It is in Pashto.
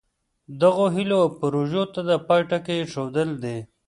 دغو هیلو او پروژو ته د پای ټکی ایښودل دي.